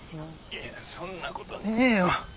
いやいやそんなことねえよ。